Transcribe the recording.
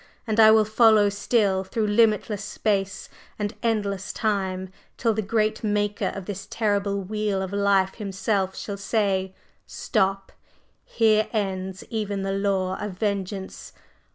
and I will follow still through limitless space and endless time, till the great Maker of this terrible wheel of life Himself shall say, 'Stop! Here ends even the law of vengeance!